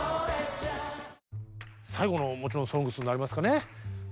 最後のもちろん「ＳＯＮＧＳ」になりますかね。